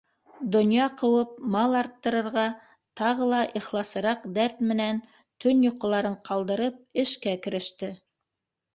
Донъя ҡыуып мал арттырырға тағы ла ихласыраҡ дәрт менән, төн йоҡоларын ҡалдырып, эшкә кереште.